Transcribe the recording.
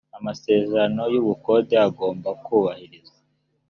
amasezerano yubukode agomba kubahirizwa